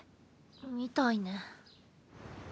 みたいね。